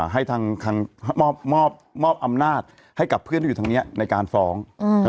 ให้ทางมอบอำนาจให้กับเพื่อนที่อยู่ทางนี้ในการฟ้อง